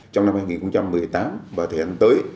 trong năm hai nghìn một mươi tám và thời gian tới